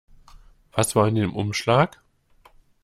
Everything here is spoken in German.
Was war in dem Umschlag?